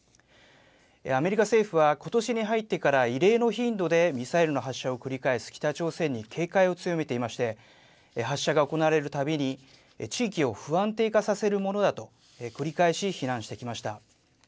アメリカ政府はことしに入ってから異例の頻度でミサイルの発射を繰り返す北朝鮮に警戒を強めていまして、発射が行われるたびに、地域を不安定化させるものだと、繰り返し非難してきました。